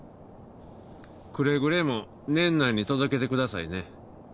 くれぐれも年内に届けてくださいね。